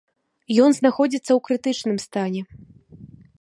Ён знаходзіцца ў крытычным стане.